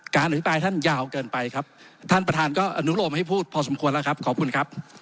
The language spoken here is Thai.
อภิปรายท่านยาวเกินไปครับท่านประธานก็อนุโลมให้พูดพอสมควรแล้วครับขอบคุณครับ